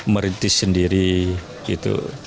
meritis sendiri gitu